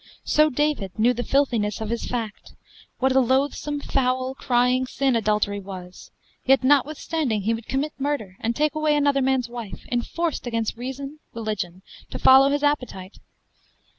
So David knew the filthiness of his fact, what a loathsome, foul, crying sin adultery was, yet notwithstanding he would commit murder, and take away another man's wife, enforced against reason, religion, to follow his appetite.